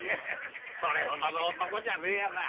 それほどの男じゃねえやな。